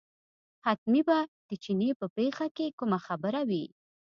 حتمي به د چیني په پېښه کې کومه خبره وي.